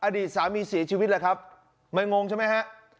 อดีตสามีเสียชีวิตแหละครับไม่งงใช่ไหมฮะ